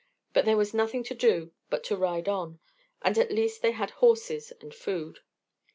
But there was nothing to do but to ride on, and at least they had horses and food.